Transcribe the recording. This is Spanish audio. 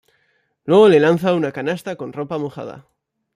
Luego le lanza una canasta con ropa mojada.